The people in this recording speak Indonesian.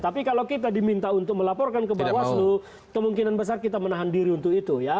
tapi kalau kita diminta untuk melaporkan ke bawaslu kemungkinan besar kita menahan diri untuk itu ya